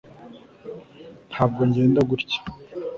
ntabwo ngenda gutya